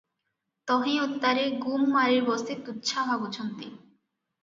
ତହିଁ ଉତ୍ତାରେ ଗୁମ୍ ମାରି ବସି ତୁଚ୍ଛା ଭାବୁଛନ୍ତି ।